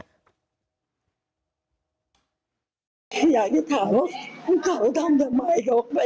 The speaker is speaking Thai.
อยากจะถามว่าเขาทำทำไม